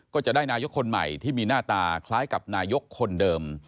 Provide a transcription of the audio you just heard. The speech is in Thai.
ก็จะได้นายกคนใหม่ที่มีหน้าตาคล้ายกับนายกคนเดิม